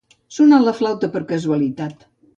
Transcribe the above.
Sonar la flauta per casualitat.